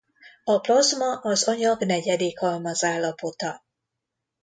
A plazma az anyag negyedik halmazállapota.